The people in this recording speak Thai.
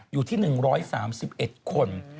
อยู่ที่๑๓๑คน